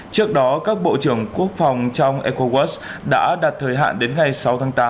trước đó các bộ trưởng quốc phòng trong ecowas đã đặt thời hạn đến ngày sáu tháng tám